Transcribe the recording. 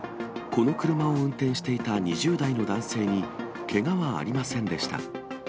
この車を運転していた２０代の男性に、けがはありませんでした。